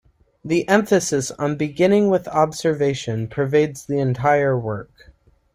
The emphasis on beginning with observation pervades the entire work.